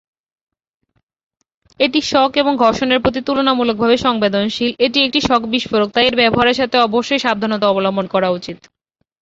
এটি শক এবং ঘর্ষণের প্রতি তুলনামূলকভাবে সংবেদনশীল; এটি একটি শক বিস্ফোরক তাই এর ব্যবহারের সাথে অবশ্যই সাবধানতা অবলম্বন করা উচিত।